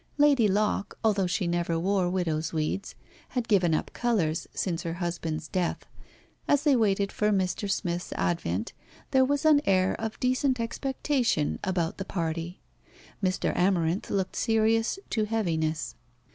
Lady Locke, although she never wore widow's weeds, had given up colours since her husband's death. As they waited for Mr. Smith's advent there was an air of decent expectation about the party. Mr. Amarinth looked serious to heaviness.